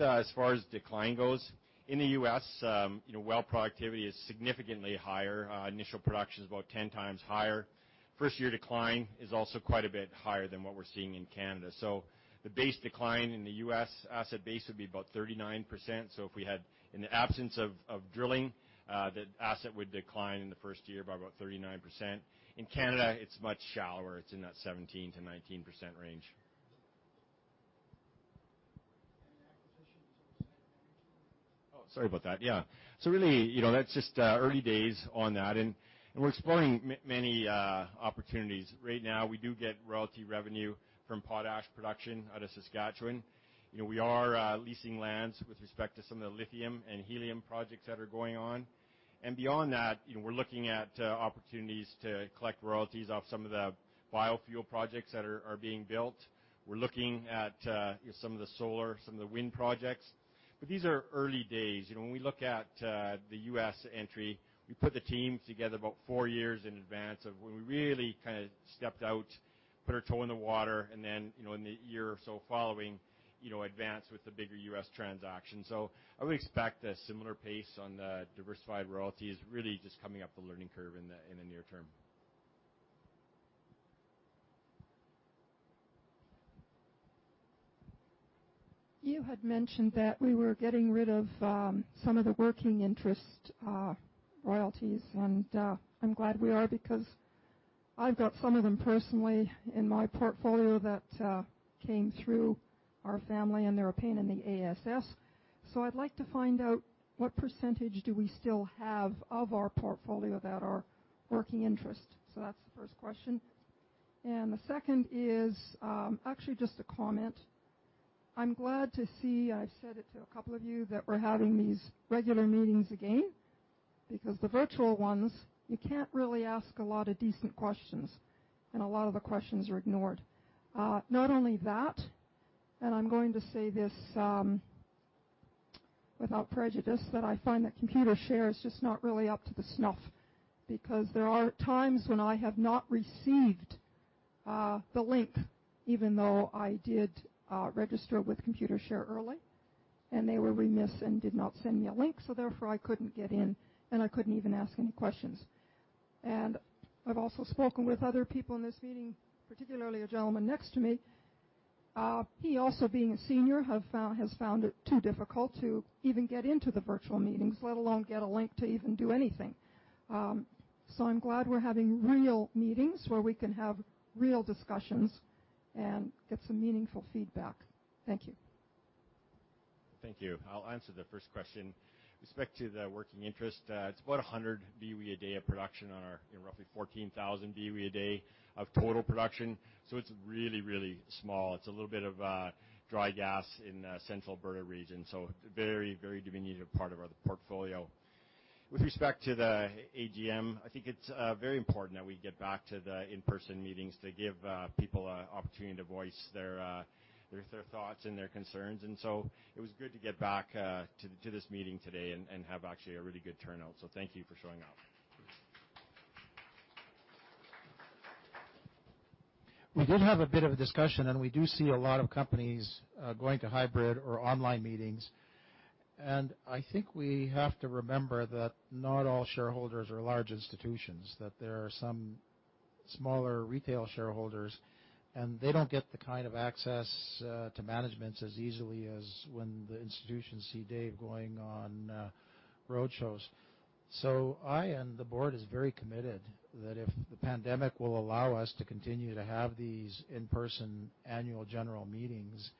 As far as decline goes, in the U.S., well productivity is significantly higher. Initial production is about 10x higher. First-year decline is also quite a bit higher than what we're seeing in Canada. The base decline in the U.S. asset base would be about 39%. If we had, in the absence of drilling, the asset would decline in the first year by about 39%. In Canada, it's much shallower. It's in that 17%-19% range. Oh, sorry about that. Yeah. Really, that's just early days on that, and we're exploring many opportunities. Right now, we do get royalty revenue from potash production out of Saskatchewan. We are leasing lands with respect to some of the lithium and helium projects that are going on. Beyond that, we're looking at opportunities to collect royalties off some of the biofuel projects that are being built. We're looking at some of the solar, some of the wind projects. These are early days. When we look at the U.S. entry, we put the team together about four years in advance of when we really kind of stepped out, put our toe in the water, and then in the year or so following, advanced with the bigger U.S. transaction. I would expect a similar pace on the Diversified Royalties, really just coming up the learning curve in the near term. You had mentioned that we were getting rid of some of the working interest royalties. I'm glad we are, because I've got some of them personally in my portfolio that came through our family, and they're a pain in the A-S-S. I'd like to find out what percentage do we still have of our portfolio that are working interest. That's the first question. The second is actually just a comment. I'm glad to see, I've said it to a couple of you, that we're having these regular meetings again, because the virtual ones, you can't really ask a lot of decent questions, and a lot of the questions are ignored. Not only that, I'm going to say this without prejudice, that I find that Computershare is just not really up to snuff, because there are times when I have not received the link, even though I did register with Computershare early, and they were remiss and did not send me a link, so therefore I couldn't get in, and I couldn't even ask any questions. I've also spoken with other people in this meeting, particularly a gentleman next to me. He also being a senior, has found it too difficult to even get into the virtual meetings, let alone get a link to even do anything. I'm glad we're having real meetings where we can have real discussions and get some meaningful feedback. Thank you. Thank you. I'll answer the first question. With respect to the working interest, it's about 100 boe/d of production on our roughly 14,000 boe/d of total production. It's really, really small. It's a little bit of dry gas in the Central Alberta region, so very diminutive part of our portfolio. With respect to the AGM, I think it's very important that we get back to the in-person meetings to give people an opportunity to voice their thoughts and their concerns. It was good to get back to this meeting today and have actually a really good turnout. Thank you for showing up. We did have a bit of a discussion, and we do see a lot of companies going to hybrid or online meetings. I think we have to remember that not all shareholders are large institutions, that there are some smaller retail shareholders, and they don't get the kind of access to managements as easily as when the institutions see Dave going on road shows. I and the board is very committed that if the pandemic will allow us to continue to have these in-person annual general meetings,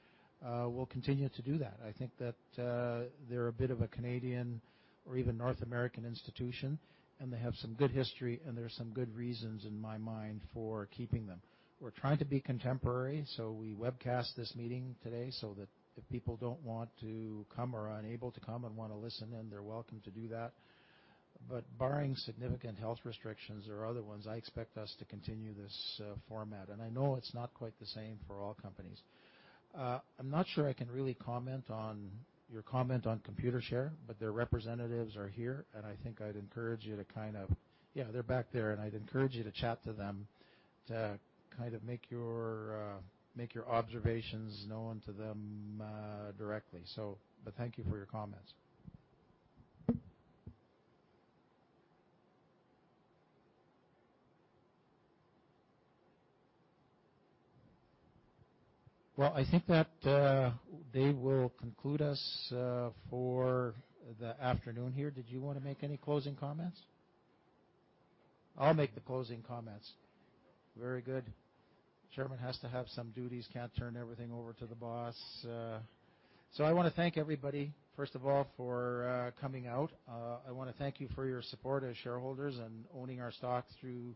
we'll continue to do that. I think that they're a bit of a Canadian or even North American institution, and they have some good history, and there's some good reasons in my mind for keeping them. We're trying to be contemporary, so we webcast this meeting today so that if people don't want to come or are unable to come and want to listen in, they're welcome to do that. Barring significant health restrictions or other ones, I expect us to continue this format. I know it's not quite the same for all companies. I'm not sure I can really comment on your comment on Computershare, but their representatives are here, and I think I'd encourage you to. Yeah, they're back there, and I'd encourage you to chat to them to make your observations known to them directly. Thank you for your comments. Well, I think that Dave will conclude us for the afternoon here. Did you want to make any closing comments? I'll make the closing comments. Very good. Chairman has to have some duties, can't turn everything over to the boss. I want to thank everybody, first of all, for coming out. I want to thank you for your support as shareholders and owning our stock through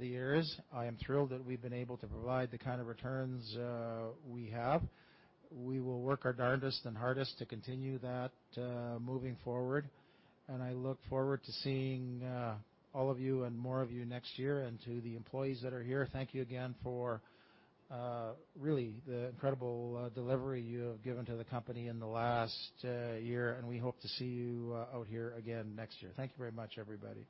the years. I am thrilled that we've been able to provide the kind of returns we have. We will work our darndest and hardest to continue that moving forward. I look forward to seeing all of you and more of you next year. To the employees that are here, thank you again for really the incredible delivery you have given to the company in the last year, and we hope to see you out here again next year. Thank you very much, everybody.